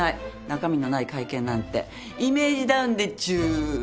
中身のない会見なんてイメージダウンでちゅ。